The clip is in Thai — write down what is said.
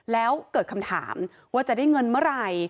แล้วเกิดคำถามว่าจะได้เงินเมื่อไหร่